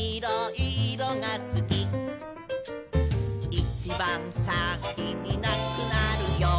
「いちばん先になくなるよ」